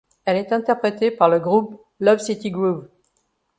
Elle est interprétée par le groupe Love City Groove.